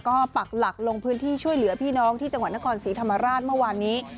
ก็ปักหลักลงพื้นที่ช่วยเหลือพี่น้องที่จังหวัดนครศรีธรรมราชเมื่อวานนี้